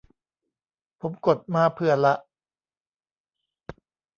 ผมกดมาเผื่อละ